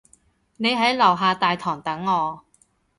你喺樓下大堂等我